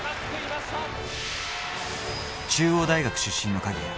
中央大学出身の鍵谷。